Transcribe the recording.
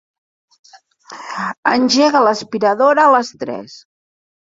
Engega l'aspiradora a les tres.